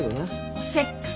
おせっかい？